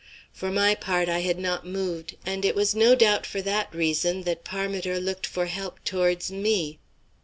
For my part I had not moved, and it was no doubt for that reason that Parmiter looked for help towards me.